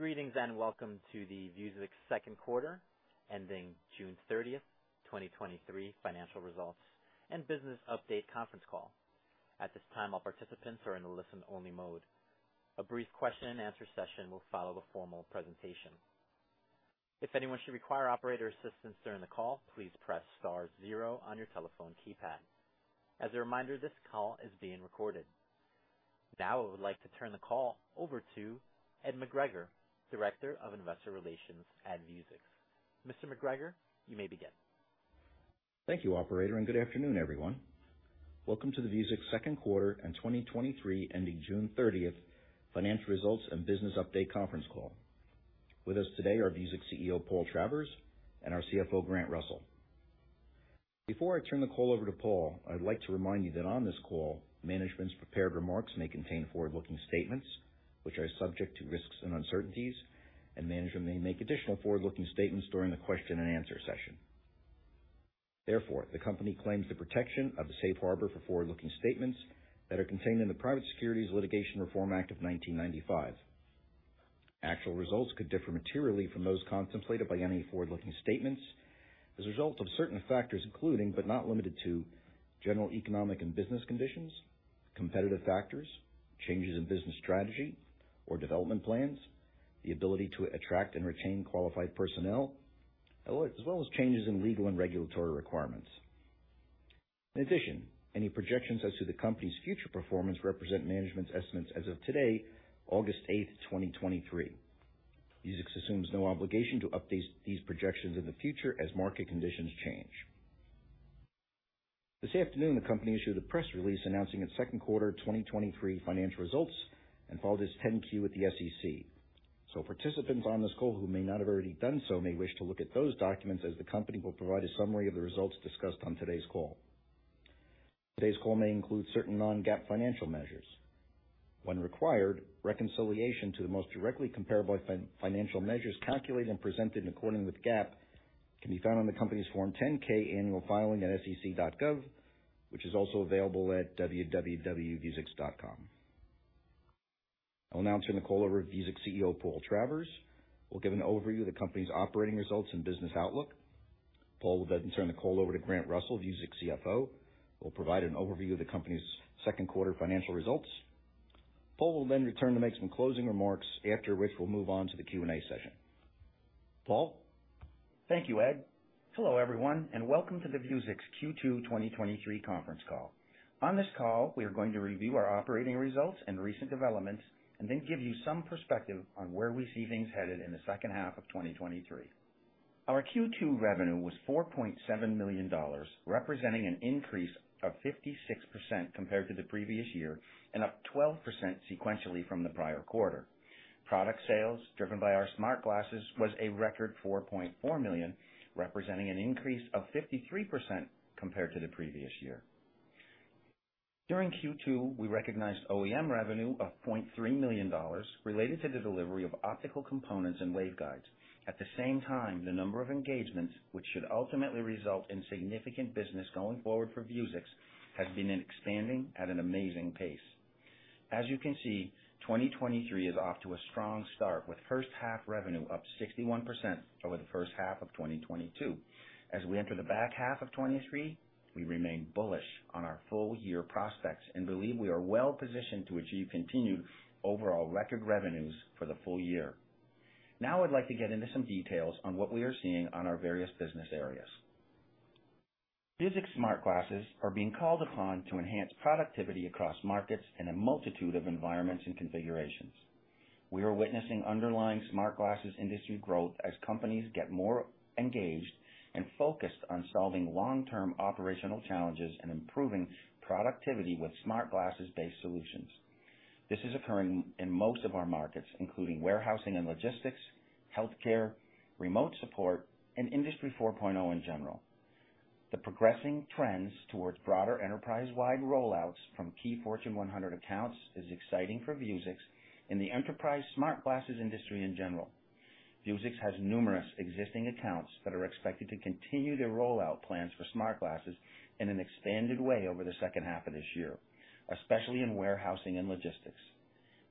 Greetings, welcome to the Vuzix second quarter, ending June 30th, 2023 financial results and business update conference call. At this time, all participants are in a listen-only mode. A brief question and answer session will follow the formal presentation. If anyone should require operator assistance during the call, please press star zero on your telephone keypad. As a reminder, this call is being recorded. Now, I would like to turn the call over to Ed McGregor, Director of Investor Relations at Vuzix. Mr. McGregor, you may begin. Thank you, operator, and good afternoon, everyone. Welcome to the Vuzix second quarter and 2023 ending June 30th, financial results and business update conference call. With us today are Vuzix CEO, Paul Travers, and our CFO, Grant Russell. Before I turn the call over to Paul, I'd like to remind you that on this call, management's prepared remarks may contain forward-looking statements, which are subject to risks and uncertainties, and management may make additional forward-looking statements during the question and answer session. Therefore, the company claims the protection of the safe harbor for forward-looking statements that are contained in the Private Securities Litigation Reform Act of 1995. Actual results could differ materially from those contemplated by any forward-looking statements as a result of certain factors, including, but not limited to, general economic and business conditions, competitive factors, changes in business strategy or development plans, the ability to attract and retain qualified personnel, as well as changes in legal and regulatory requirements. In addition, any projections as to the company's future performance represent management's estimates as of today, August 8th, 2023. Vuzix assumes no obligation to update these projections in the future as market conditions change. This afternoon, the company issued a press release announcing its second quarter 2023 financial results and filed its 10-Q with the SEC. Participants on this call who may not have already done so, may wish to look at those documents, as the company will provide a summary of the results discussed on today's call. Today's call may include certain non-GAAP financial measures. When required, reconciliation to the most directly comparable financial measures calculated and presented in accordance with GAAP can be found on the company's Form 10-K annual filing at SEC.gov, which is also available at www.vuzix.com. I'll now turn the call over to Vuzix CEO, Paul Travers, who will give an overview of the company's operating results and business outlook. Paul will then turn the call over to Grant Russell, Vuzix CFO, who will provide an overview of the company's second quarter financial results. Paul will then return to make some closing remarks, after which we'll move on to the Q&A session. Paul? Thank you, Ed. Hello, everyone, and welcome to the Vuzix Q2 2023 conference call. On this call, we are going to review our operating results and recent developments and then give you some perspective on where we see things headed in the second half of 2023. Our Q2 revenue was $4.7 million, representing an increase of 56% compared to the previous year and up 12% sequentially from the prior quarter. Product sales, driven by our smart glasses, was a record $4.4 million, representing an increase of 53% compared to the previous year. During Q2, we recognized OEM revenue of $0.3 million related to the delivery of optical components and waveguides. At the same time, the number of engagements, which should ultimately result in significant business going forward for Vuzix, has been expanding at an amazing pace. As you can see, 2023 is off to a strong start, with first half revenue up 61% over the first half of 2022. As we enter the back half of 2023, we remain bullish on our full year prospects and believe we are well positioned to achieve continued overall record revenues for the full year. I'd like to get into some details on what we are seeing on our various business areas. Vuzix smart glasses are being called upon to enhance productivity across markets in a multitude of environments and configurations. We are witnessing underlying smart glasses industry growth as companies get more engaged and focused on solving long-term operational challenges and improving productivity with smart glasses-based solutions. This is occurring in most of our markets, including warehousing and logistics, healthcare, remote support, and Industry 4.0 in general. The progressing trends towards broader enterprise-wide rollouts from key Fortune 100 accounts is exciting for Vuzix in the enterprise smart glasses industry in general. Vuzix has numerous existing accounts that are expected to continue their rollout plans for smart glasses in an expanded way over the second half of this year, especially in warehousing and logistics.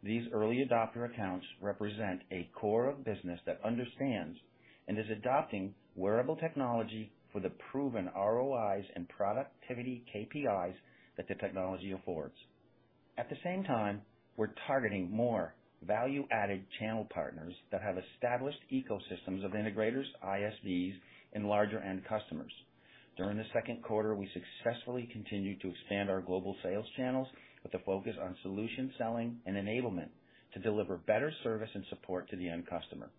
These early adopter accounts represent a core of business that understands and is adopting wearable technology for the proven ROIs and productivity KPIs that the technology affords. At the same time, we're targeting more value-added channel partners that have established ecosystems of integrators, ISVs, and larger end customers. During the second quarter, we successfully continued to expand our global sales channels with a focus on solution selling and enablement to deliver better service and support to the end customer.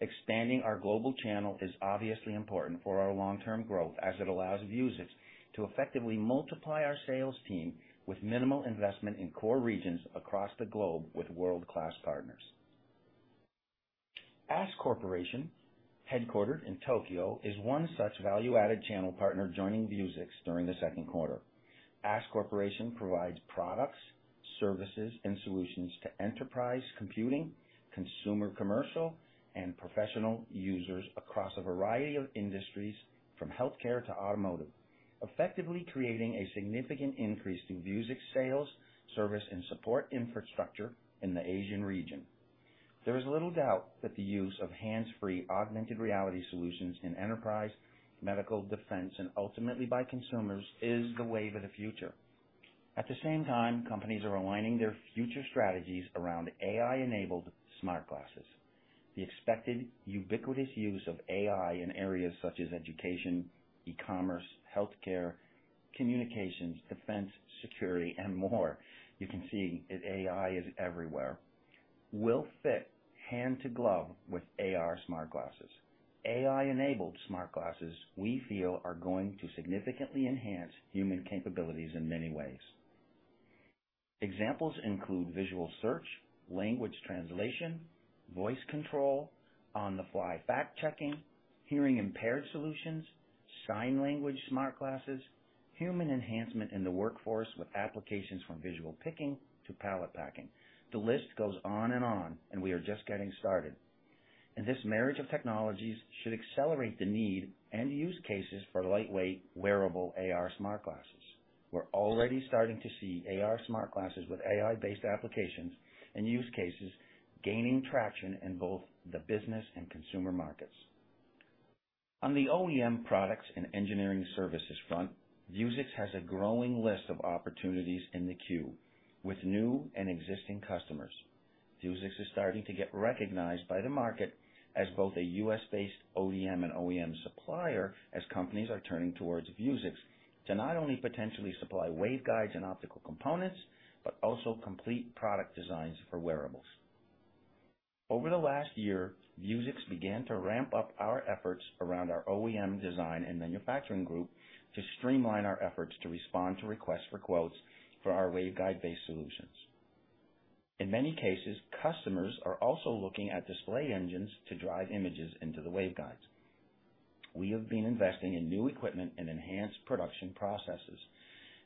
Expanding our global channel is obviously important for our long-term growth as it allows Vuzix to effectively multiply our sales team with minimal investment in core regions across the globe with world-class partners. ASK Corporation, headquartered in Tokyo, is one such value-added channel partner joining Vuzix during the second quarter. ASK Corporation provides products, services, and solutions to enterprise computing, consumer, commercial, and professional users across a variety of industries, from healthcare to automotive, effectively creating a significant increase to Vuzix sales, service, and support infrastructure in the Asian region. There is little doubt that the use of hands-free augmented reality solutions in enterprise, medical, defense, and ultimately by consumers, is the wave of the future. At the same time, companies are aligning their future strategies around AI-enabled smart glasses. The expected ubiquitous use of AI in areas such as education, e-commerce, healthcare, communications, defense, security, and more, you can see that AI is everywhere, will fit hand to glove with AR smart glasses. AI-enabled smart glasses, we feel, are going to significantly enhance human capabilities in many ways. Examples include visual search, language translation, voice control, on-the-fly fact-checking, hearing-impaired solutions, sign language smart glasses, human enhancement in the workforce with applications from visual picking to pallet packing. The list goes on and on, and we are just getting started. This marriage of technologies should accelerate the need and use cases for lightweight, wearable AR smart glasses. We're already starting to see AR smart glasses with AI-based applications and use cases gaining traction in both the business and consumer markets. On the OEM products and engineering services front, Vuzix has a growing list of opportunities in the queue with new and existing customers. Vuzix is starting to get recognized by the market as both a U.S.-based OEM and OEM supplier, as companies are turning towards Vuzix to not only potentially supply waveguides and optical components, but also complete product designs for wearables. Over the last year, Vuzix began to ramp up our efforts around our OEM design and manufacturing group to streamline our efforts to respond to requests for quotes for our waveguide-based solutions. In many cases, customers are also looking at display engines to drive images into the waveguides. We have been investing in new equipment and enhanced production processes.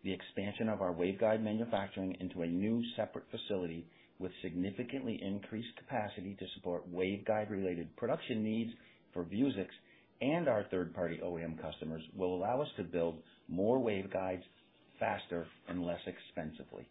The expansion of our waveguide manufacturing into a new separate facility with significantly increased capacity to support waveguide-related production needs for Vuzix and our third-party OEM customers will allow us to build more waveguides faster and less expensively.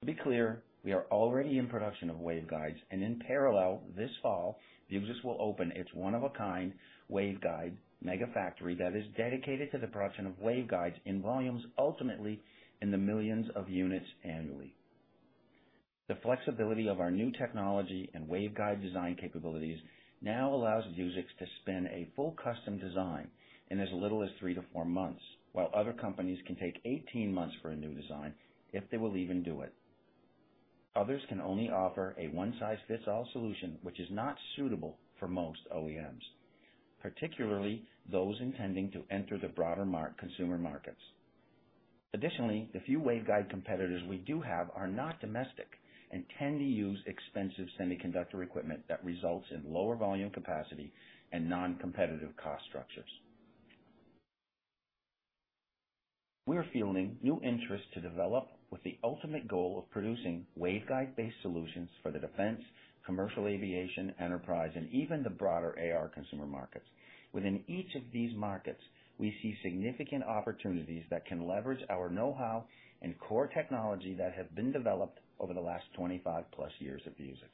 To be clear, we are already in production of waveguides, and in parallel, this fall, Vuzix will open its one-of-a-kind waveguide mega factory that is dedicated to the production of waveguides in volumes, ultimately in the millions of units annually. The flexibility of our new technology and waveguide design capabilities now allows Vuzix to spin a full custom design in as little as three to four months, while other companies can take 18 months for a new design, if they will even do it. Others can only offer a one-size-fits-all solution, which is not suitable for most OEMs, particularly those intending to enter the broader consumer markets. Additionally, the few waveguide competitors we do have are not domestic and tend to use expensive semiconductor equipment that results in lower volume capacity and non-competitive cost structures. We are fielding new interest to develop with the ultimate goal of producing waveguide-based solutions for the defense, commercial aviation, enterprise, and even the broader AR consumer markets. Within each of these markets, we see significant opportunities that can leverage our know-how and core technology that have been developed over the last 25+ years at Vuzix.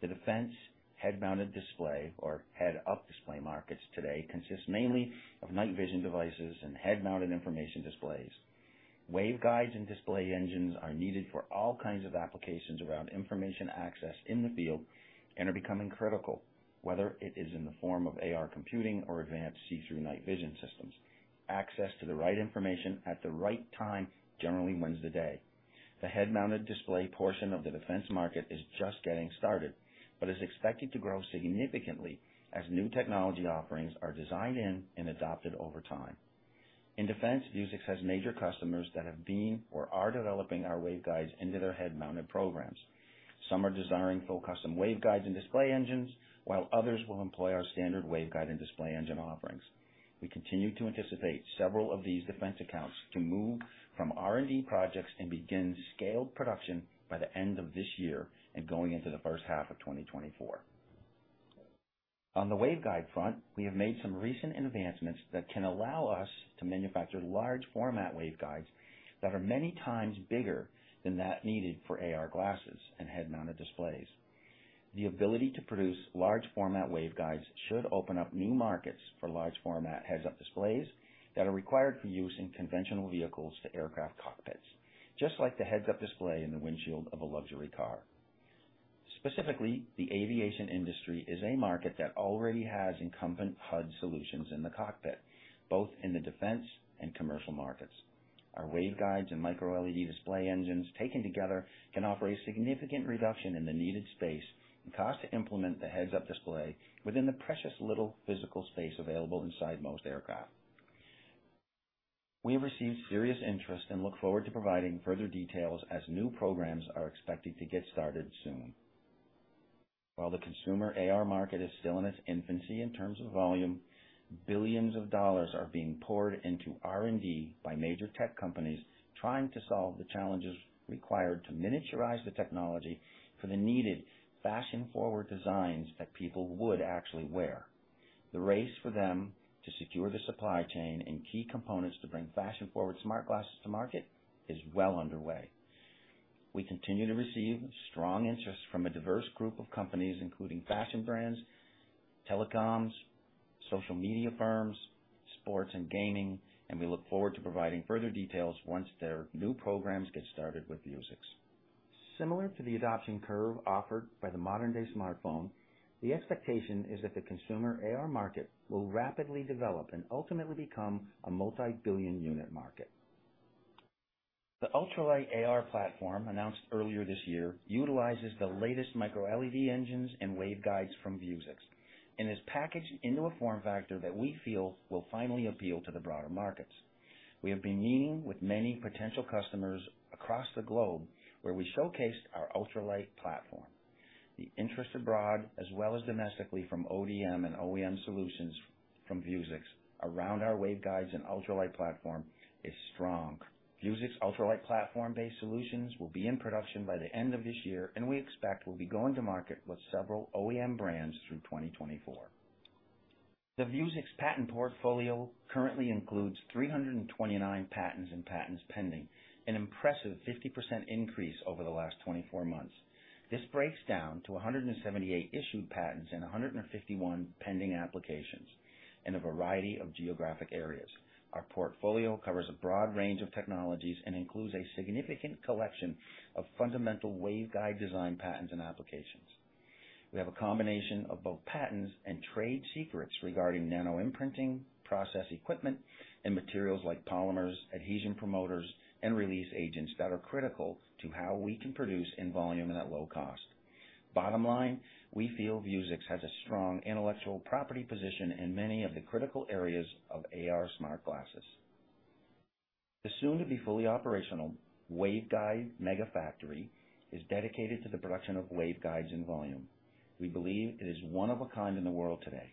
The defense head-mounted display or head-up display markets today consists mainly of night vision devices and head-mounted information displays. Waveguides and display engines are needed for all kinds of applications around information access in the field and are becoming critical. Whether it is in the form of AR computing or advanced see-through night vision systems, access to the right information at the right time generally wins the day. The head-mounted display portion of the defense market is just getting started, but is expected to grow significantly as new technology offerings are designed in and adopted over time. In defense, Vuzix has major customers that have been or are developing our waveguides into their head-mounted programs. Some are designing full custom waveguides and display engines, while others will employ our standard waveguide and display engine offerings. We continue to anticipate several of these defense accounts to move from R&D projects and begin scaled production by the end of this year and going into the first half of 2024. On the waveguide front, we have made some recent advancements that can allow us to manufacture large format waveguides that are many times bigger than that needed for AR glasses and head-mounted displays. The ability to produce large format waveguides should open up new markets for large format heads-up displays that are required for use in conventional vehicles to aircraft cockpits, just like the heads-up display in the windshield of a luxury car. Specifically, the aviation industry is a market that already has incumbent HUD solutions in the cockpit, both in the defense and commercial markets. Our waveguides and microLED display engines, taken together, can offer a significant reduction in the needed space and cost to implement the heads-up display within the precious little physical space available inside most aircraft. We have received serious interest and look forward to providing further details as new programs are expected to get started soon. While the consumer AR market is still in its infancy in terms of volume, billions of dollars are being poured into R&D by major tech companies trying to solve the challenges required to miniaturize the technology for the needed fashion-forward designs that people would actually wear. The race for them to secure the supply chain and key components to bring fashion-forward smart glasses to market is well underway. We continue to receive strong interest from a diverse group of companies, including fashion brands, telecoms, social media firms, sports and gaming, and we look forward to providing further details once their new programs get started with Vuzix. Similar to the adoption curve offered by the modern-day smartphone, the expectation is that the consumer AR market will rapidly develop and ultimately become a multi-billion unit market. The Ultralite AR platform, announced earlier this year, utilizes the latest microLED engines and waveguides from Vuzix and is packaged into a form factor that we feel will finally appeal to the broader markets. We have been meeting with many potential customers across the globe, where we showcased our Ultralite platform. The interest abroad, as well as domestically, from ODM and OEM solutions from Vuzix around our waveguides and Ultralite platform is strong. Vuzix Ultralite platform-based solutions will be in production by the end of this year, and we expect will be going to market with several OEM brands through 2024. The Vuzix patent portfolio currently includes 329 patents and patents pending, an impressive 50% increase over the last 24 months. This breaks down to 178 issued patents and 151 pending applications in a variety of geographic areas. Our portfolio covers a broad range of technologies and includes a significant collection of fundamental waveguide design, patents, and applications. We have a combination of both patents and trade secrets regarding nano imprinting, process equipment, and materials like polymers, adhesion promoters, and release agents that are critical to how we can produce in volume and at low cost. Bottom line: we feel Vuzix has a strong intellectual property position in many of the critical areas of AR smart glasses. The soon-to-be fully operational waveguide mega factory is dedicated to the production of waveguides in volume. We believe it is one of a kind in the world today.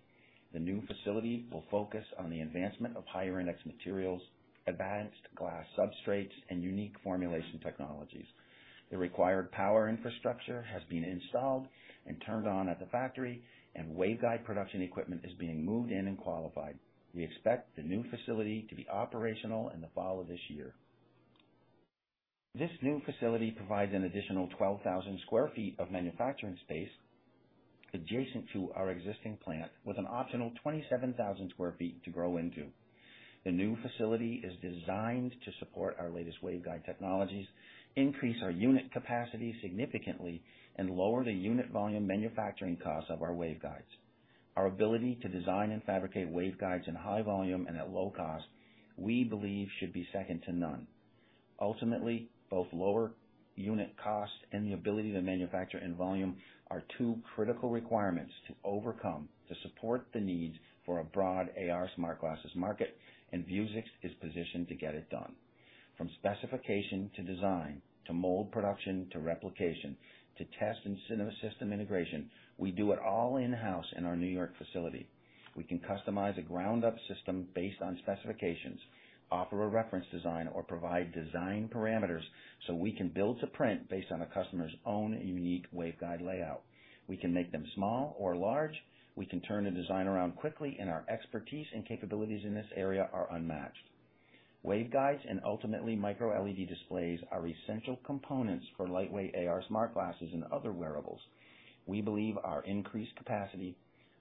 The new facility will focus on the advancement of higher index materials, advanced glass substrates, and unique formulation technologies. The required power infrastructure has been installed and turned on at the factory, and waveguide production equipment is being moved in and qualified. We expect the new facility to be operational in the fall of this year. This new facility provides an additional 12,000 sq ft of manufacturing space adjacent to our existing plant, with an optional 27,000 sq ft to grow into. The new facility is designed to support our latest waveguide technologies, increase our unit capacity significantly, and lower the unit volume manufacturing cost of our waveguides. Our ability to design and fabricate waveguides in high volume and at low cost, we believe, should be second to none. Ultimately, both lower unit cost and the ability to manufacture in volume are two critical requirements to overcome to support the needs for a broad AR smart glasses market, and Vuzix is positioned to get it done. From specification to design, to mold production, to replication, to test and system integration, we do it all in-house in our New York facility. We can customize a ground-up system based on specifications, offer a reference design, or provide design parameters so we can build to print based on a customer's own unique waveguide layout. We can make them small or large. We can turn the design around quickly, and our expertise and capabilities in this area are unmatched. Waveguides and ultimately microLED displays are essential components for lightweight AR smart glasses and other wearables. We believe our increased capacity,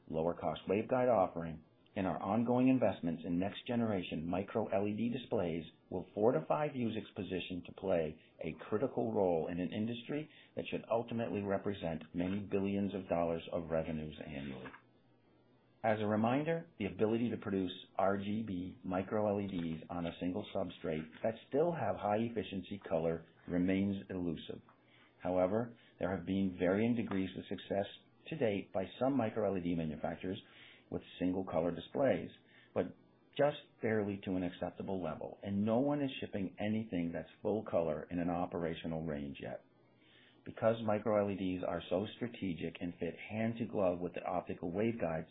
lower cost waveguide offering, and our ongoing investments in next-generation microLED displays will fortify Vuzix's position to play a critical role in an industry that should ultimately represent many billions of dollars of revenues annually. As a reminder, the ability to produce RGB microLEDs on a single substrate that still have high-efficiency color remains elusive. However, there have been varying degrees of success to date by some microLED manufacturers with single-color displays, but just barely to an acceptable level, and no one is shipping anything that's full color in an operational range yet. Because microLEDs are so strategic and fit hand to glove with the optical waveguides,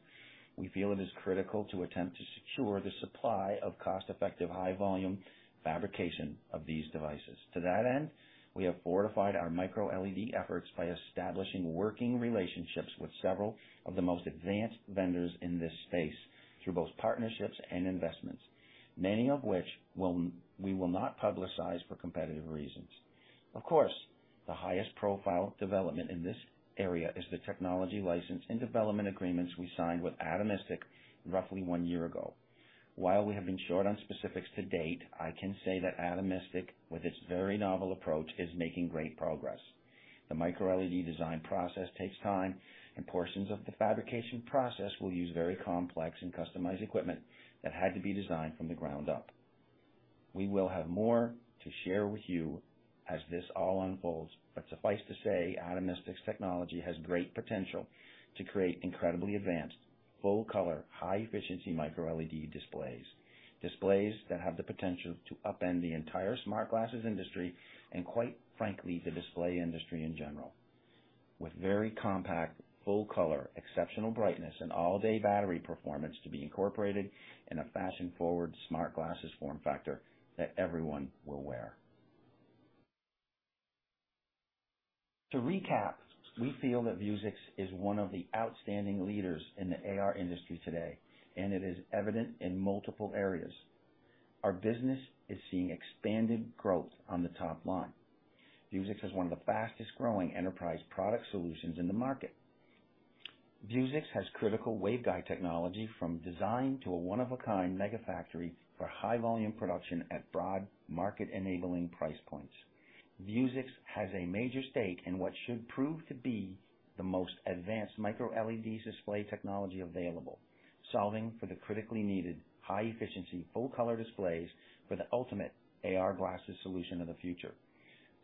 we feel it is critical to attempt to secure the supply of cost-effective, high-volume fabrication of these devices. To that end, we have fortified our microLED efforts by establishing working relationships with several of the most advanced vendors in this space through both partnerships and investments, many of which we will not publicize for competitive reasons. Of course, the highest profile development in this area is the technology license and development agreements we signed with Atomistic roughly one year ago. While we have been short on specifics to date, I can say that Atomistic, with its very novel approach, is making great progress. The microLED design process takes time, and portions of the fabrication process will use very complex and customized equipment that had to be designed from the ground up. We will have more to share with you as this all unfolds, but suffice to say, Atomistic's technology has great potential to create incredibly advanced, full-color, high-efficiency microLED displays. Displays that have the potential to upend the entire smart glasses industry, quite frankly, the display industry in general, with very compact, full color, exceptional brightness, and all-day battery performance to be incorporated in a fashion-forward smart glasses form factor that everyone will wear. To recap, we feel that Vuzix is one of the outstanding leaders in the AR industry today, it is evident in multiple areas. Our business is seeing expanded growth on the top line. Vuzix is one of the fastest growing enterprise product solutions in the market. Vuzix has critical waveguide technology from design to a one-of-a-kind mega factory for high volume production at broad market-enabling price points. Vuzix has a major stake in what should prove to be the most advanced microLED display technology available, solving for the critically needed, high efficiency, full color displays for the ultimate AR glasses solution of the future.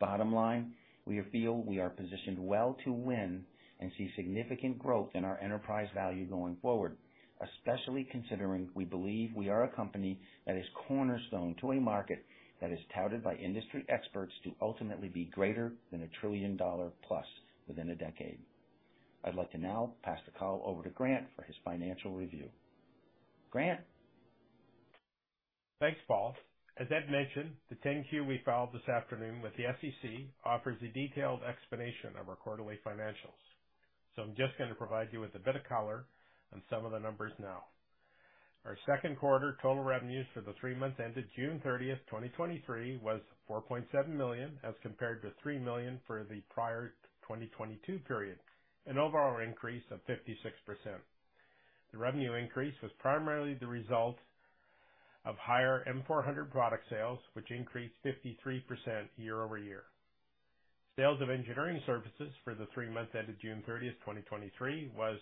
Bottom line, we feel we are positioned well to win and see significant growth in our enterprise value going forward, especially considering we believe we are a company that is cornerstone to a market that is touted by industry experts to ultimately be greater than a $1 trillion plus within a decade. I'd like to now pass the call over to Grant for his financial review. Grant? Thanks, Paul. As Ed mentioned, the 10-Q we filed this afternoon with the SEC offers a detailed explanation of our quarterly financials, so I'm just going to provide you with a bit of color on some of the numbers now. Our second quarter total revenues for the three months ended June 30th, 2023, was $4.7 million, as compared to $3 million for the prior 2022 period, an overall increase of 56%. The revenue increase was primarily the result of higher M400 product sales, which increased 53% year-over-year. Sales of engineering services for the three months ended June 30th, 2023, was $0.3 million,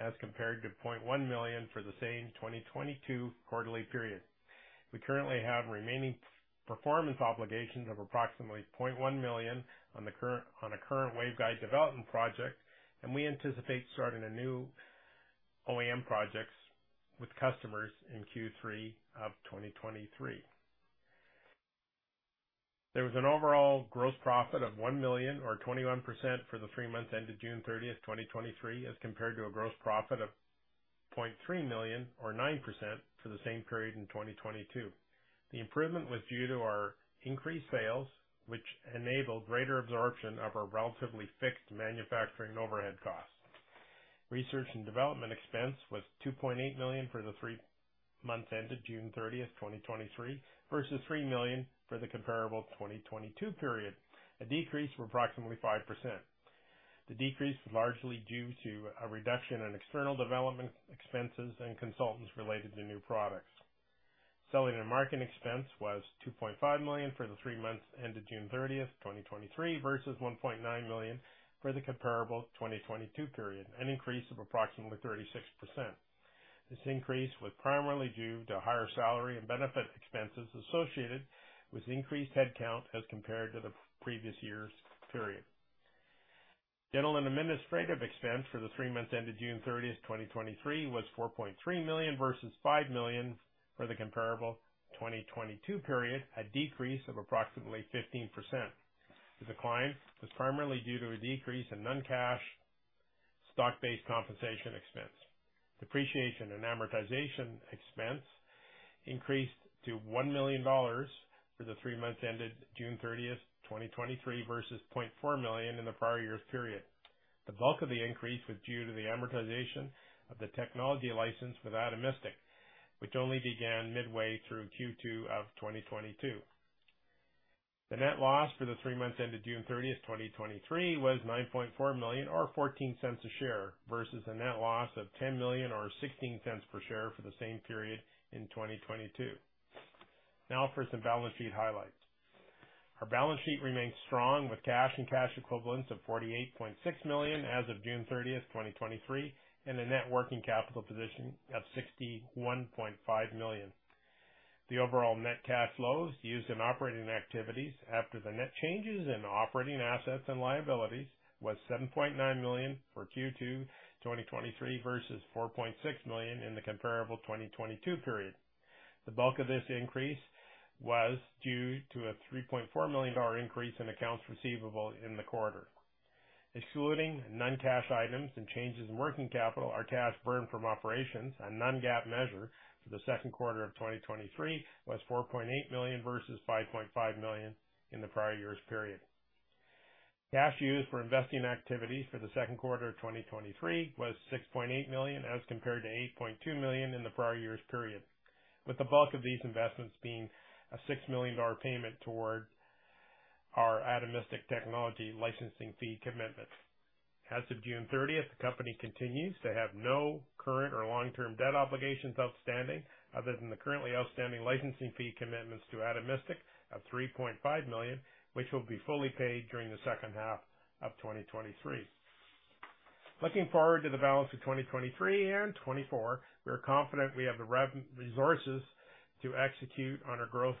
as compared to $0.1 million for the same 2022 quarterly period. We currently have remaining performance obligations of approximately $0.1 million on a current waveguide development project, and we anticipate starting a new OEM projects with customers in Q3 of 2023. There was an overall gross profit of $1 million, or 21%, for the three months ended June 30th, 2023, as compared to a gross profit of $0.3 million, or 9%, for the same period in 2022. The improvement was due to our increased sales, which enabled greater absorption of our relatively fixed manufacturing and overhead costs. Research and development expense was $2.8 million for the three months ended June 30th, 2023, versus $3 million for the comparable 2022 period, a decrease of approximately 5%. The decrease was largely due to a reduction in external development expenses and consultants related to new products. Selling and marketing expense was $2.5 million for the three months ended June 30th, 2023, versus $1.9 million for the comparable 2022 period, an increase of approximately 36%. This increase was primarily due to higher salary and benefit expenses associated with increased headcount as compared to the previous year's period. General and administrative expense for the three months ended June 30th, 2023, was $4.3 million versus $5 million for the comparable 2022 period, a decrease of approximately 15%. The decline was primarily due to a decrease in non-cash stock-based compensation expense. Depreciation and amortization expense increased to $1 million for the three months ended June 30th, 2023, versus $0.4 million in the prior year's period. The bulk of the increase was due to the amortization of the technology license with Atomistic, which only began midway through Q2 of 2022. The net loss for the three months ended June 30th, 2023, was $9.4 million, or $0.14 a share, versus a net loss of $10 million or $0.16 per share for the same period in 2022. For some balance sheet highlights. Our balance sheet remains strong, with cash and cash equivalents of $48.6 million as of June 30th, 2023, and a net working capital position of $61.5 million. The overall net cash flows used in operating activities after the net changes in operating assets and liabilities was $7.9 million for Q2 2023, versus $4.6 million in the comparable 2022 period. The bulk of this increase was due to a $3.4 million increase in accounts receivable in the quarter. Excluding non-cash items and changes in working capital, our cash burn from operations, a non-GAAP measure for the second quarter of 2023, was $4.8 million versus $5.5 million in the prior year's period. Cash used for investing activities for the second quarter of 2023 was $6.8 million, as compared to $8.2 million in the prior year's period, with the bulk of these investments being a $6 million payment toward our Atomistic technology licensing fee commitments. As of June 30th, the company continues to have no current or long-term debt obligations outstanding, other than the currently outstanding licensing fee commitments to Atomistic of $3.5 million, which will be fully paid during the second half of 2023. Looking forward to the balance of 2023 and 2024, we are confident we have the resources to execute on our growth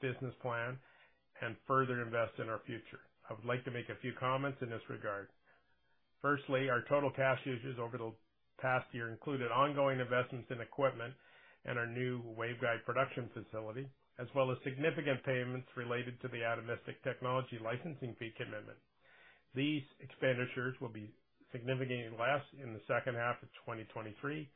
business plan and further invest in our future. I would like to make a few comments in this regard. Firstly, our total cash usages over the past year included ongoing investments in equipment and our new waveguide production facility, as well as significant payments related to the Atomistic technology licensing fee commitment. These expenditures will be significantly less in the second half of 2023.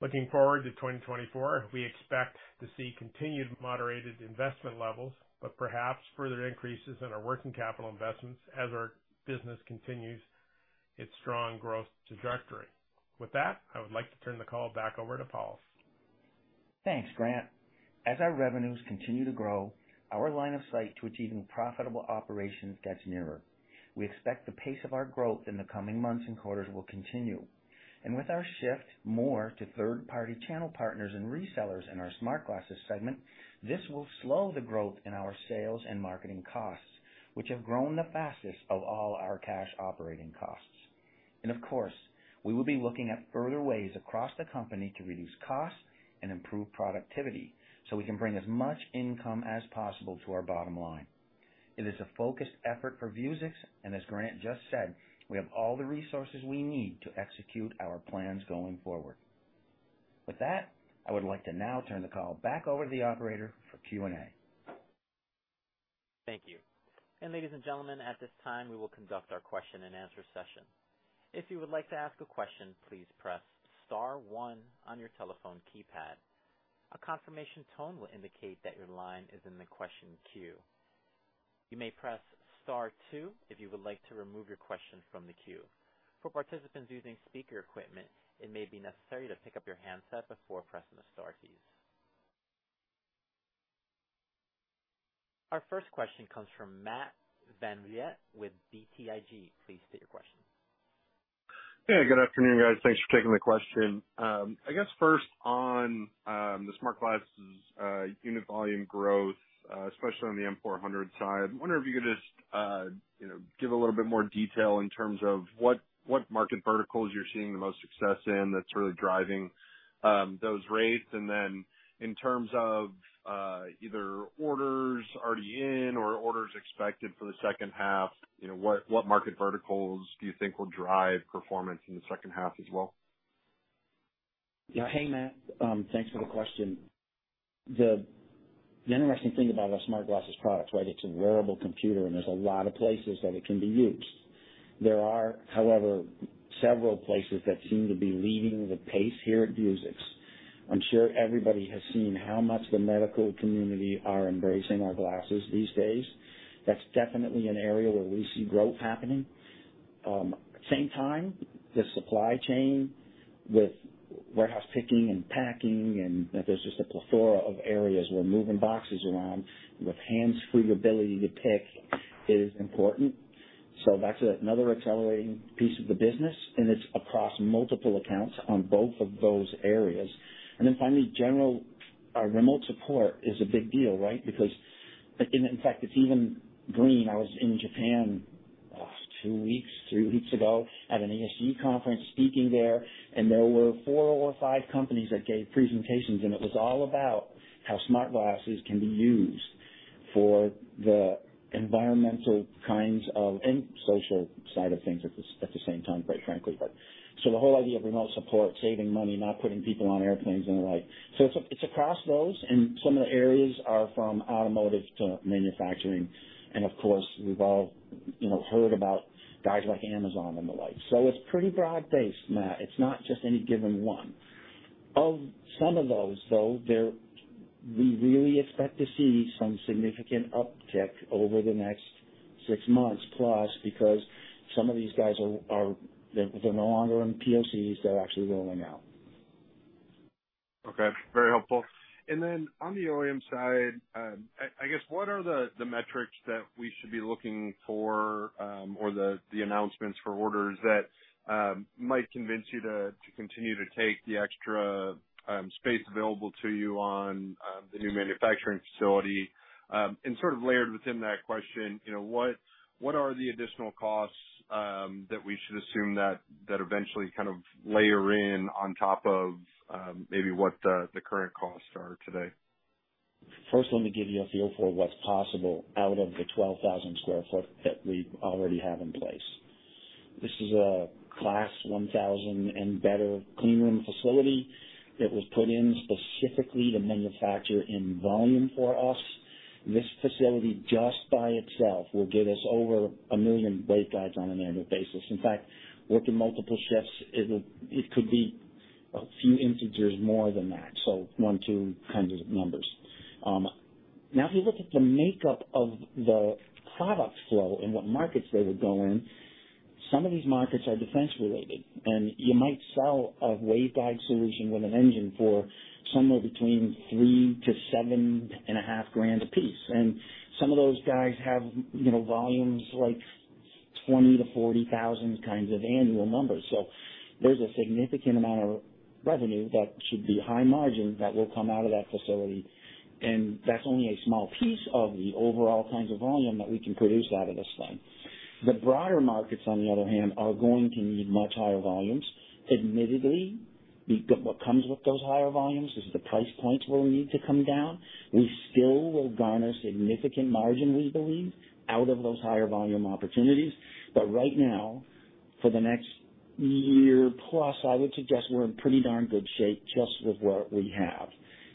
Looking forward to 2024, we expect to see continued moderated investment levels, but perhaps further increases in our working capital investments as our business continues its strong growth trajectory. With that, I would like to turn the call back over to Paul. Thanks, Grant. As our revenues continue to grow, our line of sight to achieving profitable operations gets nearer. We expect the pace of our growth in the coming months and quarters will continue, and with our shift more to third-party channel partners and resellers in our smart glasses segment, this will slow the growth in our sales and marketing costs, which have grown the fastest of all our cash operating costs. Of course, we will be looking at further ways across the company to reduce costs and improve productivity so we can bring as much income as possible to our bottom line. It is a focused effort for Vuzix, and as Grant just said, we have all the resources we need to execute our plans going forward. With that, I would like to now turn the call back over to the operator for Q&A. Thank you. Ladies and gentlemen, at this time, we will conduct our question-and-answer session. If you would like to ask a question, please press star one on your telephone keypad. A confirmation tone will indicate that your line is in the question queue. You may press star two if you would like to remove your question from the queue. For participants using speaker equipment, it may be necessary to pick up your handset before pressing the star keys. Our first question comes from Matt VanVliet with BTIG. Please state your question. Hey, good afternoon, guys. Thanks for taking my question. I guess first on, the smart glasses unit volume growth, especially on the M400 side, I wonder if you could just, you know, give a little bit more detail in terms of what, what market verticals you're seeing the most success in that's really driving, those rates. In terms of, either orders already in or orders expected for the second half, you know, what, what market verticals do you think will drive performance in the second half as well? Yeah. Hey, Matt. Thanks for the question. The, the interesting thing about our smart glasses products, right, it's a wearable computer, and there's a lot of places that it can be used. There are, however, several places that seem to be leading the pace here at Vuzix. I'm sure everybody has seen how much the medical community are embracing our glasses these days. That's definitely an area where we see growth happening. Same time, the supply chain with warehouse picking and packing, and there's just a plethora of areas where moving boxes around with hands-free ability to pick is important. That's another accelerating piece of the business, and it's across multiple accounts on both of those areas. Finally, general, remote support is a big deal, right? In, in fact, it's even green. I was in Japan, two weeks, three weeks ago at an ESG conference, speaking there, and there were four or five companies that gave presentations, and it was all about how smart glasses can be used for the environmental kinds of and social side of things at the, at the same time, quite frankly. The whole idea of remote support, saving money, not putting people on airplanes and the like. It's, it's across those, and some of the areas are from automotive to manufacturing, and of course, we've all, you know, heard about guys like Amazon and the like. It's pretty broad-based, Matt. It's not just any given one. Of some of those, though, they're we really expect to see some significant uptick over the next six months, plus, because some of these guys are, they're no longer in POCs, they're actually rolling out. Okay, very helpful. Then on the OEM side, I guess, what are the metrics that we should be looking for, or the announcements for orders that might convince you to continue to take the extra space available to you on the new manufacturing facility? Sort of layered within that question, you know, what are the additional costs that we should assume that eventually kind of layer in on top of, maybe what the current costs are today? First, let me give you a feel for what's possible out of the 12,000 sq ft that we already have in place. This is a Class 1000 and better clean room facility that was put in specifically to manufacture in volume for us. This facility, just by itself, will get us over 1 million waveguides on an annual basis. In fact, working multiple shifts, it could be a few integers more than that, so one, two kinds of numbers. Now, if you look at the makeup of the product flow and what markets they would go in, some of these markets are defense-related, and you might sell a waveguide solution with an engine for somewhere between $3,000-$7,500 a piece. Some of those guys have, you know, volumes like 20,000-40,000 kinds of annual numbers. There's a significant amount of revenue that should be high margin that will come out of that facility, and that's only a small piece of the overall kinds of volume that we can produce out of this thing. The broader markets, on the other hand, are going to need much higher volumes. Admittedly, what comes with those higher volumes is the price points will need to come down. We still will garner significant margin, we believe, out of those higher volume opportunities. Right now, for the next year plus, I would suggest we're in pretty darn good shape just with what we have.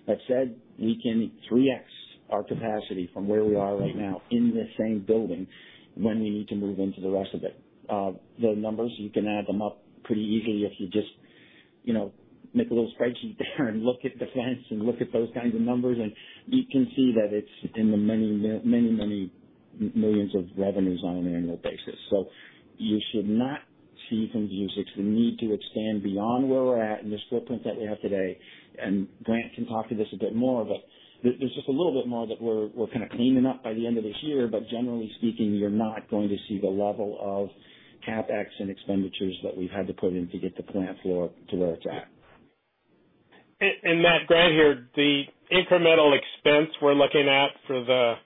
That said, we can 3x our capacity from where we are right now in the same building, when we need to move into the rest of it. The numbers, you can add them up pretty easily if you just, you know, make a little spreadsheet there and look at the plans and look at those kinds of numbers, and you can see that it's in the many, many millions of revenues on an annual basis. You should not see from Vuzix the need to expand beyond where we're at in this footprint that we have today. Grant can talk to this a bit more, but there, there's just a little bit more that we're, we're kind of cleaning up by the end of this year. Generally speaking, you're not going to see the level of CapEx and expenditures that we've had to put in to get the plant floor to where it's at. Matt, Grant here, the incremental expense we're looking at for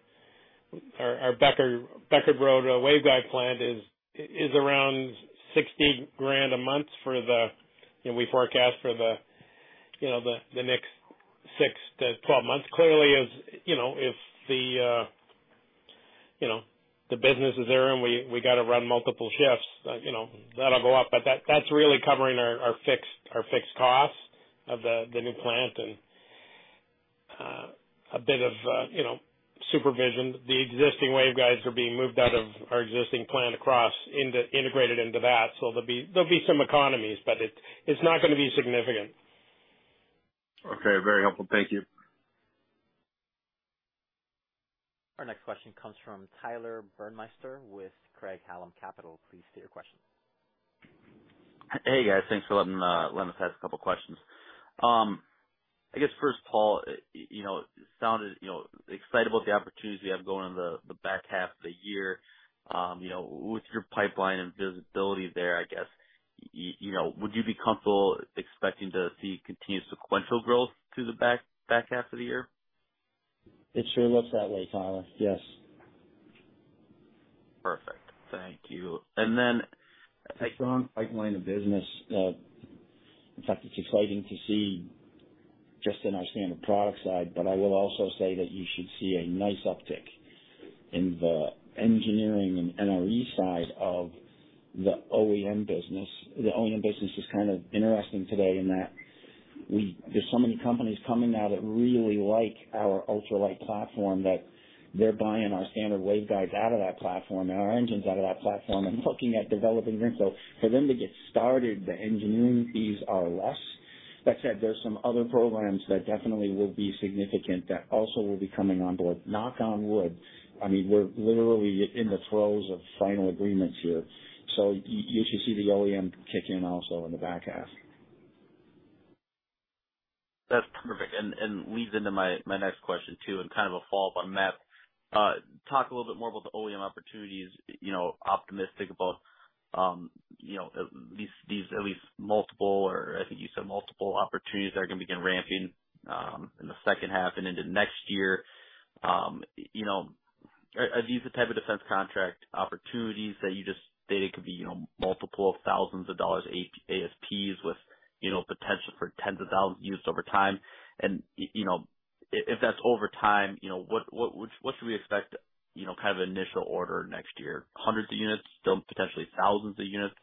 our Becker, Becker Road waveguide plant is around $60,000 a month. You know, we forecast for the, you know, the next six to 12 months. Clearly, if, you know, if the, you know, the business is there and we, we got to run multiple shifts, like, you know, that'll go up. That's really covering our fixed costs of the new plant and a bit of, you know, supervision. The existing waveguides are being moved out of our existing plant across integrated into that. There'll be some economies, but it's not going to be significant. Okay. Very helpful. Thank you. Our next question comes from Tyler Burmeister with Craig-Hallum Capital. Please state your question. Hey, guys. Thanks for letting us ask a couple questions. I guess first, Paul, you know, sounded, you know, excited about the opportunities we have going in the, the back half of the year. You know, with your pipeline and visibility there, I guess, you know, would you be comfortable expecting to see continued sequential growth through the back, back half of the year? It sure looks that way, Tyler. Yes. Perfect. Thank you. It's a strong pipeline of business. In fact, it's exciting to see just in our standard product side, but I will also say that you should see a nice uptick in the engineering and NRE side of the OEM business. The OEM business is kind of interesting today in that there's so many companies coming now that really like our Ultralite platform, that they're buying our standard waveguides out of that platform and our engines out of that platform and looking at developing them. For them to get started, the engineering fees are less. That said, there's some other programs that definitely will be significant that also will be coming on board. Knock on wood, I mean, we're literally in the throes of final agreements here, so you should see the OEM kick in also in the back half. That's perfect, and, and leads into my, my next question, too, and kind of a follow-up on that. Talk a little bit more about the OEM opportunities. You know, optimistic about, you know, at least these- at least multiple or I think you said multiple opportunities that are going to begin ramping in the second half and into next year. You know, are, are these the type of defense contract opportunities that you just stated could be, you know, multiple thousands of dollars, ASPs with, you know, potential for tens of thousands of units over time? You know, if that's over time, you know, what, what, what should we expect, you know, kind of initial order next year, hundreds of units, still potentially thousands of units?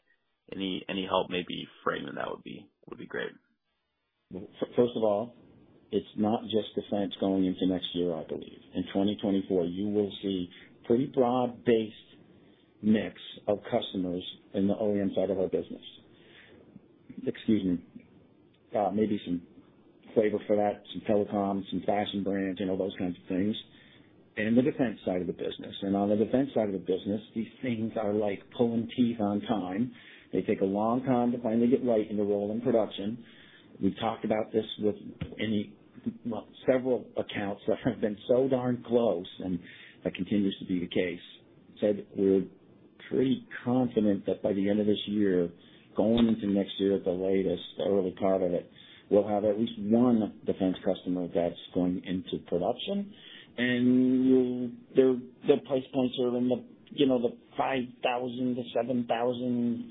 Any, any help maybe framing that would be, would be great. First of all, it's not just defense going into next year, I believe. In 2024, you will see pretty broad-based mix of customers in the OEM side of our business. Excuse me. Maybe some flavor for that, some telecom, some fashion brands, you know, those kinds of things. The defense side of the business, on the defense side of the business, these things are like pulling teeth on time. They take a long time to finally get right and to roll in production. We've talked about this with many, well, several accounts that have been so darn close, and that continues to be the case. We're pretty confident that by the end of this year, going into next year, at the latest, the early part of it, we'll have at least one defense customer that's going into production, and we'll... Their, their price points are in the, you know, the $5,000-$7,000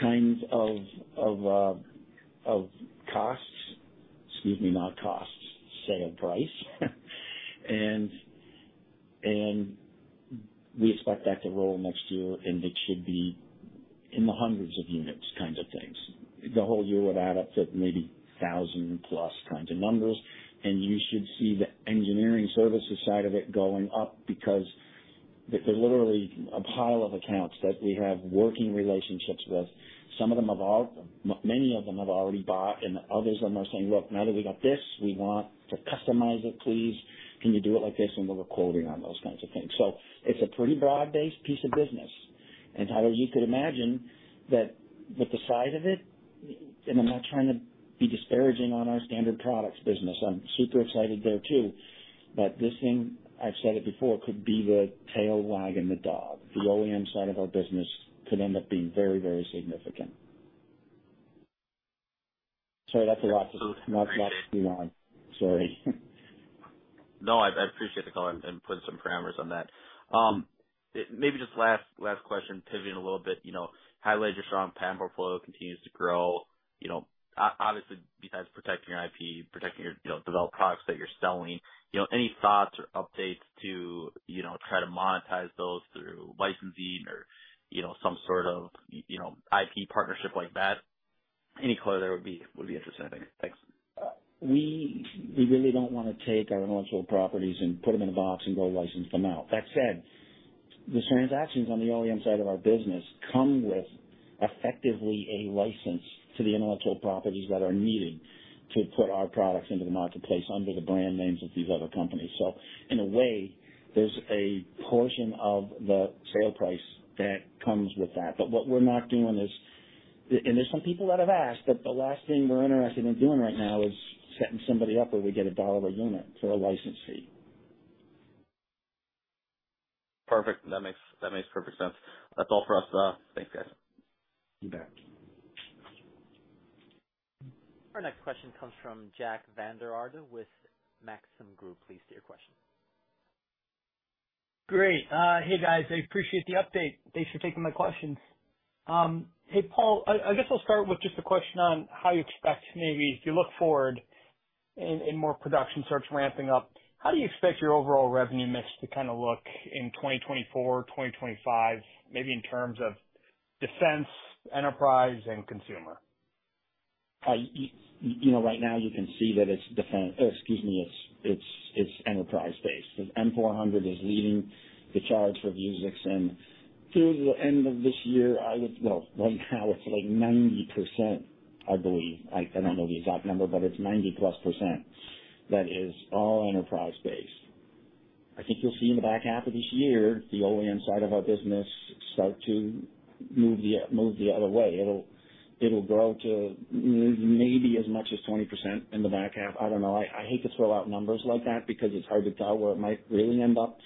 kinds of, of, costs. Excuse me, not costs, sale price. We expect that to roll next year, and it should be in the hundreds of units, kinds of things. The whole year would add up to maybe 1,000+ kinds of numbers, and you should see the engineering services side of it going up because there's literally a pile of accounts that we have working relationships with. Some of them have many of them have already bought, and others of them are saying, "Look, now that we got this, we want to customize it. Please, can you do it like this?" We're quoting on those kinds of things. It's a pretty broad-based piece of business. Tyler, you could imagine that with the size of it, and I'm not trying to be disparaging on our standard products business, I'm super excited there, too. This thing, I've said it before, could be the tail wagging the dog. The OEM side of our business could end up being very, very significant. Sorry, that's a lot to knock, knock on. Sorry. No, I, I appreciate the color and putting some parameters on that. Maybe just last, last question, pivoting a little bit, you know, highlight your strong patent portfolio continues to grow. You know, obviously, besides protecting your IP, protecting your, you know, developed products that you're selling, you know, any thoughts or updates to, you know, try to monetize those through licensing or, you know, some sort of, you know, IP partnership like that? any color there would be, would be interesting. Thanks. We, we really don't want to take our intellectual properties and put them in a box and go license them out. That said, the transactions on the OEM side of our business come with effectively a license to the intellectual properties that are needed to put our products into the marketplace under the brand names of these other companies. In a way, there's a portion of the sale price that comes with that. What we're not doing, and there's some people that have asked, but the last thing we're interested in doing right now is setting somebody up where we get $1 a unit for a license fee. Perfect. That makes, that makes perfect sense. That's all for us. Thanks, guys. You bet. Our next question comes from Jack Vander Aarde with Maxim Group. Please state your question. Great. Hey, guys, I appreciate the update. Thanks for taking my questions. Hey, Paul, I guess I'll start with just a question on how you expect, maybe as you look forward and more production starts ramping up, how do you expect your overall revenue mix to kind of look in 2024, 2025, maybe in terms of defense, enterprise and consumer? You know, right now you can see that excuse me, it's enterprise-based. M400 is leading the charge for Vuzix, and through the end of this year, I would. Well, right now it's like 90%, I believe. I, I don't know the exact number, but it's 90%+. That is all enterprise-based. I think you'll see in the back half of this year, the OEM side of our business start to move the, move the other way. It'll, it'll grow to maybe as much as 20% in the back half. I don't know. I, I hate to throw out numbers like that because it's hard to tell where it might really end up.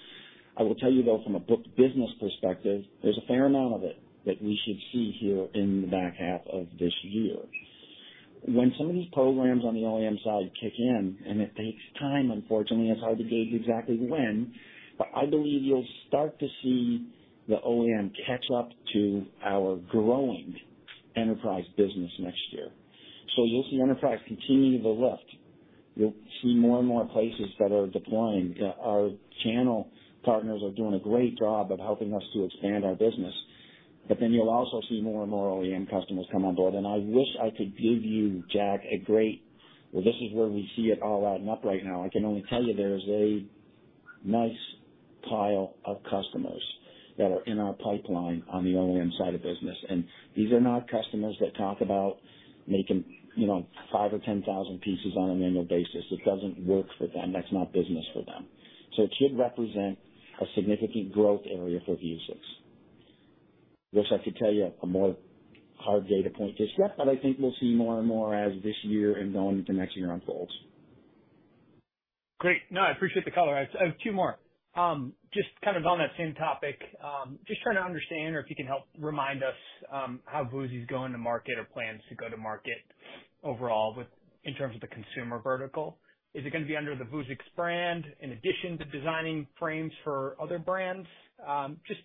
I will tell you, though, from a booked business perspective, there's a fair amount of it that we should see here in the back half of this year. When some of these programs on the OEM side kick in, and it takes time, unfortunately, it's hard to gauge exactly when, but I believe you'll start to see the OEM catch up to our growing enterprise business next year. You'll see enterprise continue the lift. You'll see more and more places that are deploying. Our channel partners are doing a great job of helping us to expand our business. Then you'll also see more and more OEM customers come on board. I wish I could give you, Jack, a great... Well, this is where we see it all adding up right now. I can only tell you there is a nice pile of customers that are in our pipeline on the OEM side of business. These are not customers that talk about making, you know, five or 10,000 pieces on an annual basis. It doesn't work for them. That's not business for them. It should represent a significant growth area for Vuzix. I wish I could tell you a more hard data point just yet. I think we'll see more and more as this year and going into next year unfolds. Great. No, I appreciate the color. I have two more. Just kind of on that same topic, just trying to understand or if you can help remind us how Vuzix's going to market or plans to go to market overall in terms of the consumer vertical. Is it going to be under the Vuzix brand, in addition to designing frames for other brands? Just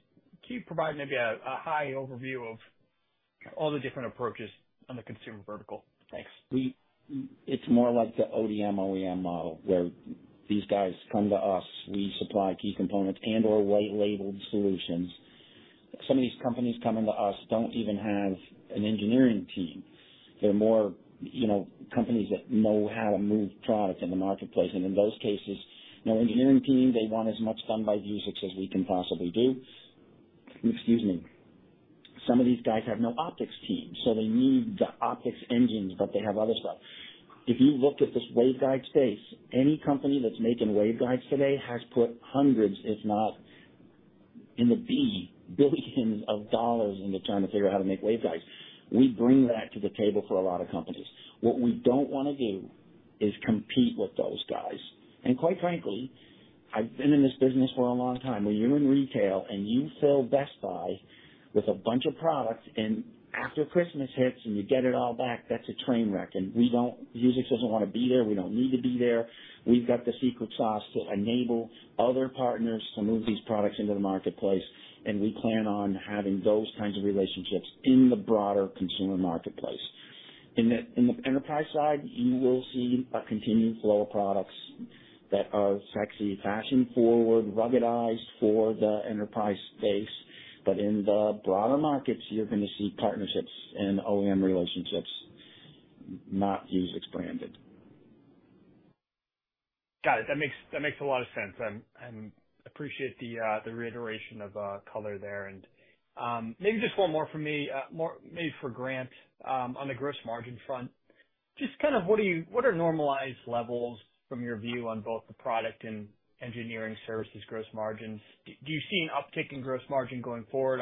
can you provide maybe a high overview of all the different approaches on the consumer vertical? Thanks. It's more like the ODM/OEM model, where these guys come to us, we supply key components and/or white labeled solutions. Some of these companies coming to us don't even have an engineering team. They're more, you know, companies that know how to move product in the marketplace. In those cases, no engineering team, they want as much done by Vuzix as we can possibly do. Excuse me. Some of these guys have no optics team, so they need the optics engines. They have other stuff. If you looked at this waveguide space, any company that's making waveguides today has put hundreds, if not billions of dollars into trying to figure out how to make waveguides. We bring that to the table for a lot of companies. What we don't want to do is compete with those guys. Quite frankly, I've been in this business for a long time. When you're in retail and you fill Best Buy with a bunch of products, and after Christmas hits and you get it all back, that's a train wreck. We don't Vuzix doesn't want to be there. We don't need to be there. We've got the secret sauce to enable other partners to move these products into the marketplace, we plan on having those kinds of relationships in the broader consumer marketplace. In the, in the enterprise side, you will see a continued flow of products that are sexy, fashion-forward, ruggedized for the enterprise space, but in the broader markets, you're going to see partnerships and OEM relationships, not Vuzix branded. Got it. That makes, that makes a lot of sense. I'm, I'm appreciate the, the reiteration of, color there. Maybe just one more from me, more maybe for Grant. On the gross margin front, just kind of what are normalized levels from your view on both the product and engineering services gross margins? Do you see an uptick in gross margin going forward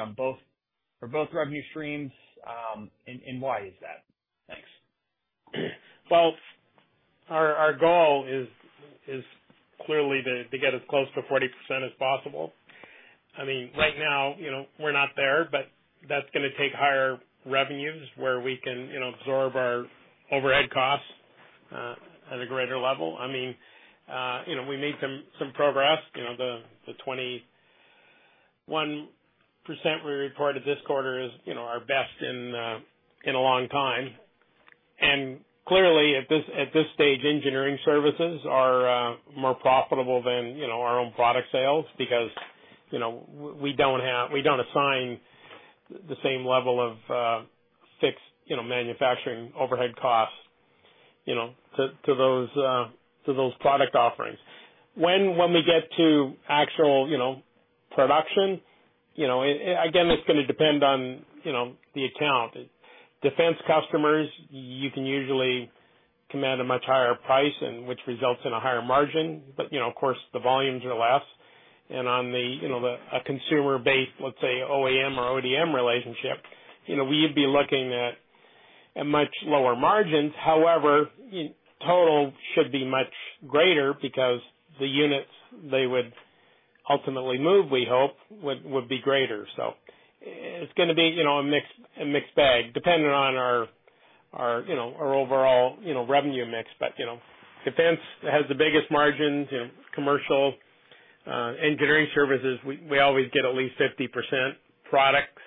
for both revenue streams, and why is that? Thanks. Well, our, our goal is, is clearly to, to get as close to 40% as possible. I mean, right now, you know, we're not there, but that's gonna take higher revenues where we can, you know, absorb our overhead costs, at a greater level. I mean, you know, we made some, some progress. You know, the, the 21% we reported this quarter is, you know, our best in a long time. Clearly, at this, at this stage, engineering services are more profitable than, you know, our own product sales because- ...you know, we don't have we don't assign the same level of, fixed, you know, manufacturing overhead costs, you know, to, to those product offerings. When we get to actual, you know, production, you know, again, it's gonna depend on, you know, the account. Defense customers, you can usually command a much higher price and which results in a higher margin. Of course, the volumes are less. On the, you know, a consumer-based, let's say, OEM or ODM relationship, you know, we'd be looking at a much lower margins. However, total should be much greater because the units they would ultimately move, we hope, would be greater. It's gonna be, you know, a mixed, a mixed bag, depending on our, our, you know, our overall, you know, revenue mix. You know, defense has the biggest margins, you know, commercial, engineering services, we, we always get at least 50%. Products,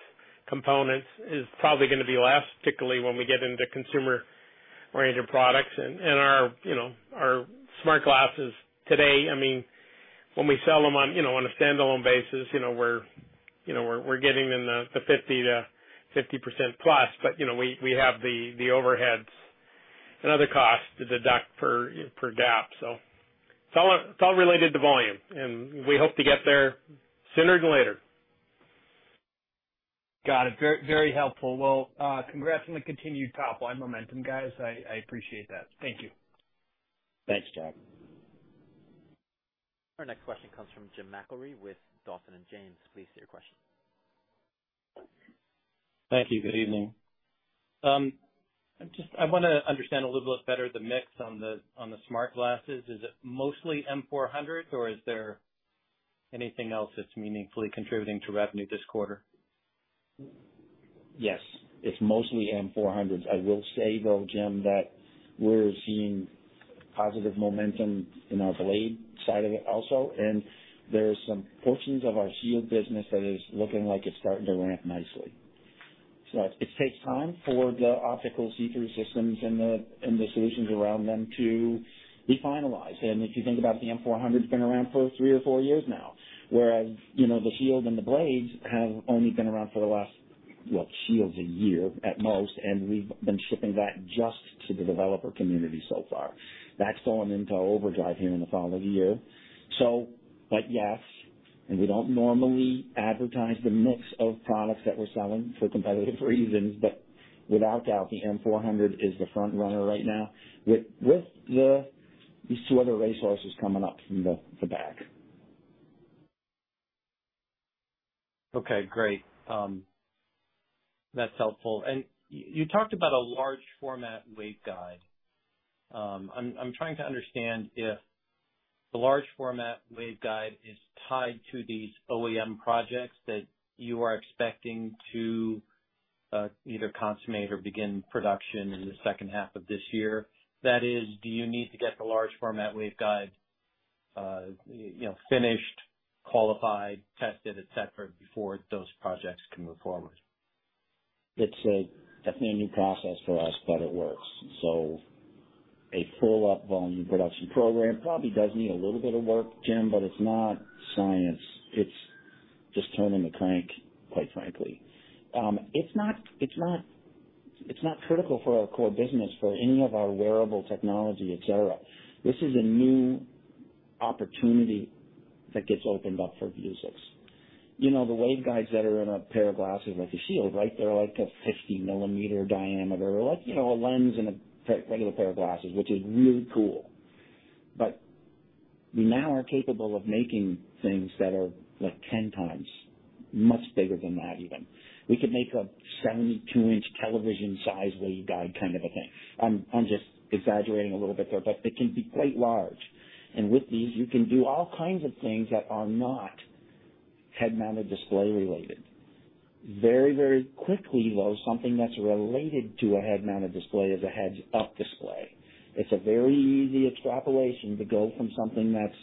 components is probably gonna be less, particularly when we get into consumer-oriented products. Our, you know, our smart glasses today, I mean, when we sell them on, you know, on a standalone basis, you know, we're, you know, we're, we're getting in the, the 50%-50%+. You know, we, we have the, the overheads and other costs to deduct per, per GAAP. It's all, it's all related to volume, and we hope to get there sooner than later. Got it. Very, very helpful. Congrats on the continued top line momentum, guys. I, I appreciate that. Thank you. Thanks, Jack. Our next question comes from Jim McIlree with Dawson James. Please state your question. Thank you. Good evening. I want to understand a little bit better the mix on the smart glasses. Is it mostly M400, or is there anything else that's meaningfully contributing to revenue this quarter? Yes, it's mostly M400s. I will say, though, Jim, that we're seeing positive momentum in our Blade side of it also, and there are some portions of our Shield business that is looking like it's starting to ramp nicely. It takes time for the optical see-through systems and the solutions around them to be finalized. If you think about the M400, it's been around for three or four years now, whereas, you know, the Shield and the Blades have only been around for the last, well, Shield's one year at most, and we've been shipping that just to the developer community so far. That's going into overdrive here in the fall of the year. Yes, and we don't normally advertise the mix of products that we're selling for competitive reasons, but without a doubt, the M400 is the front runner right now, with, with the these two other racehorses coming up from the, the back. Okay, great. That's helpful. You talked about a large format waveguide. I'm trying to understand if the large format waveguide is tied to these OEM projects that you are expecting to either consummate or begin production in the second half of this year. That is, do you need to get the large format waveguide, you know, finished, qualified, tested, et cetera, before those projects can move forward? It's a definitely a new process for us, but it works. A full up volume production program probably does need a little bit of work, Jim, but it's not science. It's just turning the crank, quite frankly. It's not, it's not, it's not critical for our core business, for any of our wearable technology, et cetera. This is a new opportunity that gets opened up for Vuzix. You know, the waveguides that are in a pair of glasses like a Shield, right? They're like a 50 mm diameter, like, you know, a lens in a regular pair of glasses, which is really cool. We now are capable of making things that are like 10x much bigger than that even. We could make a 72 in television size waveguide kind of a thing. I'm, I'm just exaggerating a little bit there, but it can be quite large. With these, you can do all kinds of things that are not head-mounted display related. Very, very quickly, though, something that's related to a head-mounted display is a heads-up display. It's a very easy extrapolation to go from something that's,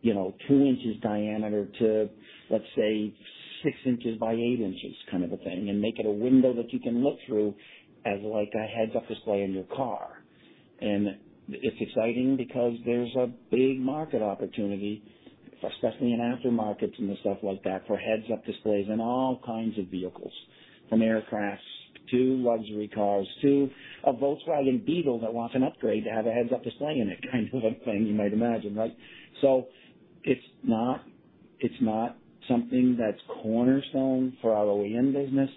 you know, 2 in diameter to, let's say, 6 in × 8 in kind of a thing, and make it a window that you can look through as like a heads-up display in your car. It's exciting because there's a big market opportunity, especially in aftermarkets and the stuff like that, for heads-up displays in all kinds of vehicles, from aircraft to luxury cars to a Volkswagen Beetle that wants an upgrade to have a heads-up display in it, kind of a thing you might imagine, right? It's not, it's not something that's cornerstone for our OEM business.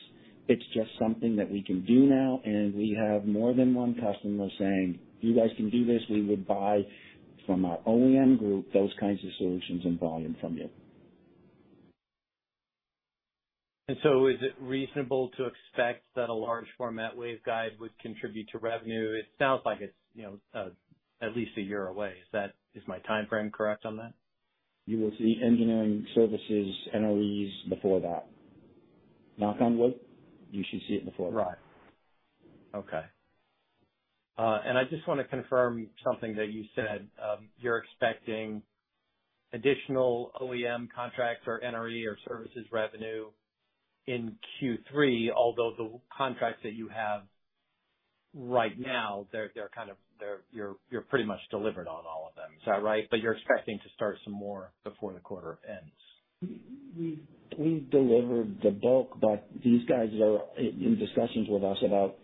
It's just something that we can do now, and we have more than one customer saying, "If you guys can do this, we would buy from our OEM group, those kinds of solutions and volume from you. Is it reasonable to expect that a large format waveguide would contribute to revenue? It sounds like it's, you know, at least one year away. Is that... Is my timeframe correct on that? You will see engineering services, NREs before that. Knock on wood, you should see it before that. Right. Okay. I just want to confirm something that you said. You're expecting additional OEM contracts or NRE or services revenue in Q3, although the contracts that you have right now, you're pretty much delivered on all of them. Is that right? You're expecting to start some more before the quarter ends. We, we've delivered the bulk, but these guys are in discussions with us about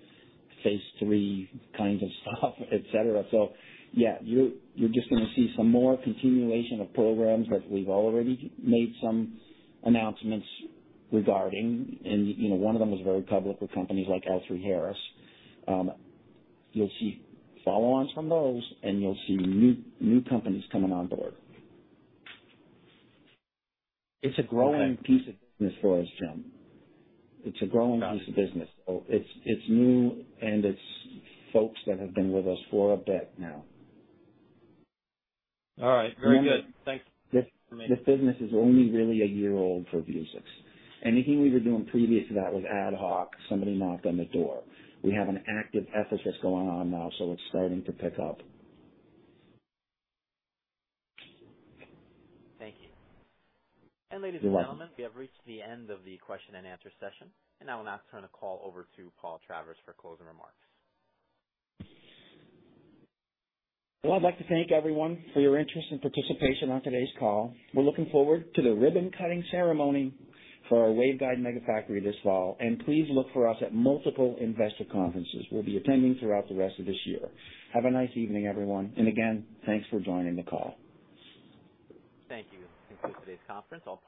phase III kinds of stuff, et cetera. Yeah, you're, you're just gonna see some more continuation of programs, but we've already made some announcements regarding and, you know, one of them is very public with companies like L3Harris. You'll see follow-ons from those, and you'll see new, new companies coming on board. It's a growing piece of business for us, Jim. It's a growing piece of business. It's, it's new, and it's folks that have been with us for a bit now. All right. Very good. Thanks. This business is only really a year old for Vuzix. Anything we were doing previous to that was ad hoc. Somebody knocked on the door. We have an active effort that's going on now, so it's starting to pick up. Thank you. You're welcome. Ladies and gentlemen, we have reached the end of the question and answer session, and I will now turn the call over to Paul Travers for closing remarks. Well, I'd like to thank everyone for your interest and participation on today's call. We're looking forward to the ribbon cutting ceremony for our waveguide mega factory this fall, and please look for us at multiple investor conferences we'll be attending throughout the rest of this year. Have a nice evening, everyone, and again, thanks for joining the call. Thank you. This concludes today's conference. All parties-